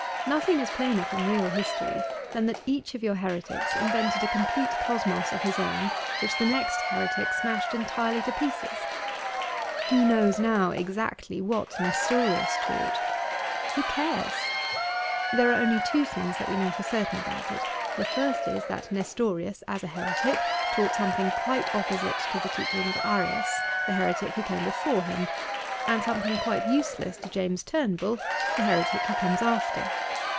Nothing is plainer from real history than that each of your heretics invented a complete cosmos of his own which the next heretic smashed entirely to pieces. Who knows now exactly what Nestorius taught ? Who cares ? There are only two things that we know for certain about it. The first is that Nestorius, as a heretic, taught something quite opposite to the teaching of Arius, the heretic who came before him, and something quite useless to'^James Turnbull, the heretic who comes after.